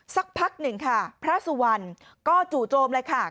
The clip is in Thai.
สักพักหนึ่งค่ะพระสุวรรณก็จู่โจมเลยค่ะ